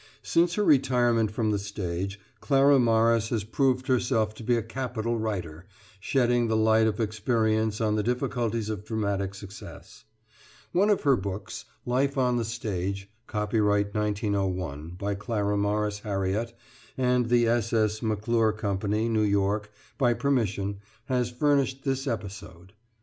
Since her retirement from the stage Clara Morris has proved herself to be a capital writer, shedding the light of experience on the difficulties of dramatic success. One of her books, "Life on the Stage," copyright, 1901, by Clara Morris Harriott and the S. S. McClure Company, New York, by permission, has furnished this episode.